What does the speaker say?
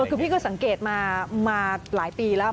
คือพี่ก็สังเกตมาหลายปีแล้ว